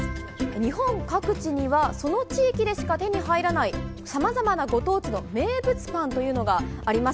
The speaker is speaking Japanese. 日本各地にはその地域でしか手に入らないさまざまなご当地の名物パンというのがあります。